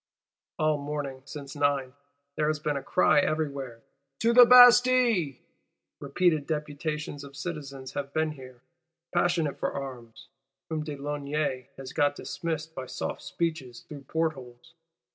All morning, since nine, there has been a cry everywhere: To the Bastille! Repeated "deputations of citizens" have been here, passionate for arms; whom de Launay has got dismissed by soft speeches through portholes.